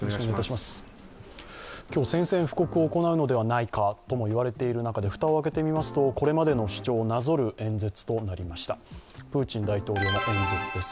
今日、宣戦布告を行うのではないかとも言われている中で蓋を開けてみますとこれまでの主張をなぞる演説となりました。